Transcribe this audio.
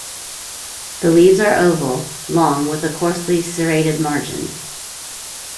The leaves are oval, long, with a coarsely serrated margin.